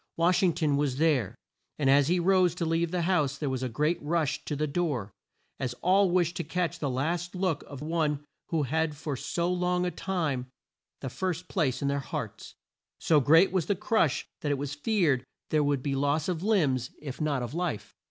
Wash ing ton was there, and as he rose to leave the house there was a great rush to the door, as all wished to catch the last look of one who had had for so long a time the first place in their hearts. So great was the crush that it was feared there would be loss of limbs if not of life.